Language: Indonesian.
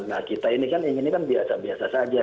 nah kita ini kan inginnya kan biasa biasa saja